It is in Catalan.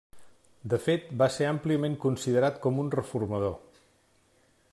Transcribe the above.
De fet, va ser àmpliament considerat com un reformador.